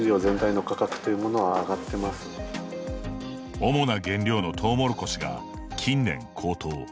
主な原料のトウモロコシが近年高騰。